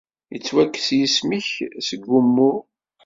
Yettwakkes yisem-nnek seg wumuɣ.